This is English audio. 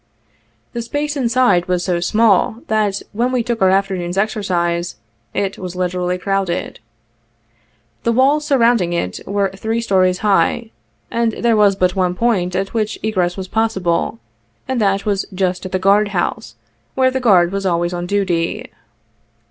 The space inside was so small, that, when we took our afternoon's exercise, it was literally crowded. The walls surrounding it were three stories high, and there was but one point at which egress was possible, and that was just at the guard house, where the guard was always on duty.